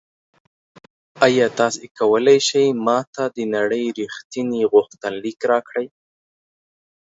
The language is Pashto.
ایا تاسو کولی شئ ما ته د نړۍ ریښتیني غوښتنلیک راکړئ؟